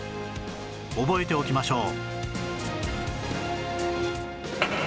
覚えておきましょう